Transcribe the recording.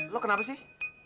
lu kenapa sih